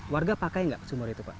warga pakai nggak sumur itu pak